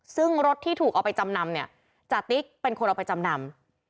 ซึ่งรถที่ถูกเอาไปจำนำเนี่ยจติ๊กเป็นคนเอาไปจำนำ